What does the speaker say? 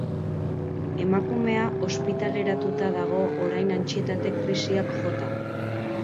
Emakumea ospitaleratuta dago orain antsietate krisiak jota.